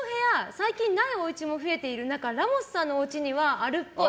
最近ないおうちも増えている中ラモスさんのおうちにはあるっぽい。